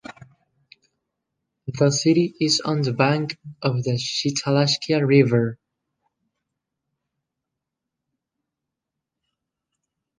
The city is on the bank of the Shitalakshya River.